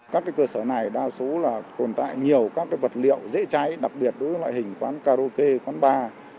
các cơ sở này đa số là tồn tại nhiều các vật liệu dễ cháy đặc biệt đối với loại hình quán karaoke quán bar